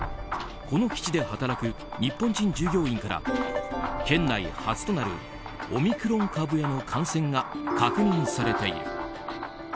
この基地で働く日本人従業員から県内初となるオミクロン株への感染が確認されている。